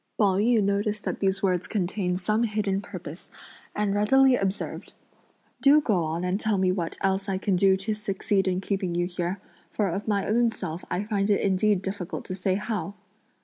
Pao yü noticed that these words contained some hidden purpose, and readily observed: "Do go on and tell me what else I can do to succeed in keeping you here, for of my own self I find it indeed difficult to say how!"